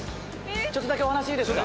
ちょっとだけお話いいですか？